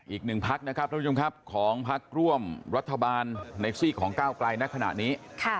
อีกหนึ่งพักนะครับท่านผู้ชมครับของพักร่วมรัฐบาลในซีกของก้าวไกลในขณะนี้